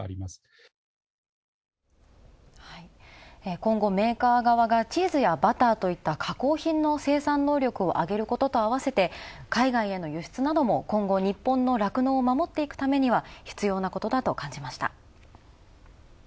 今後、メーカー側がチーズやバターといった加工品の生産能力をあげることとあわせて、海外への輸出なども今後、日本の酪農を守っていくためには必要なことだと感じました。